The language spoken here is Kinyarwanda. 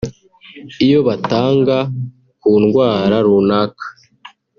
iyo batanga ku ndwara runaka